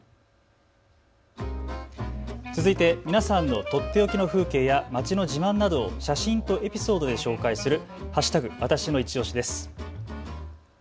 続いて皆さんのとっておきの風景や街の自慢などを写真とエピソードで紹介する＃